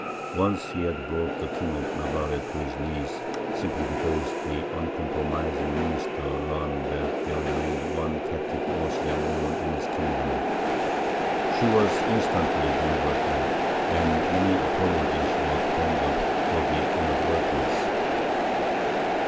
Once he had brought the King of Navarre to his knees simply because the uncompromising Minister learned that there remained one captive Moslem woman in his kingdom. She was instantly delivered up, and many apologies were tendered for the inadvertence.